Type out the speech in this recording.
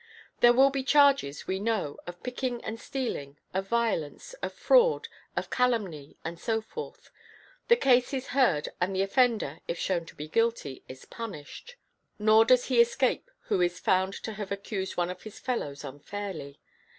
There will be charges, we know, of picking and stealing, of violence, of fraud, of calumny, and so forth. The case is heard and the offender, if shown to be guilty, is punished. Nor does he escape who is found to have accused one of his fellows unfairly.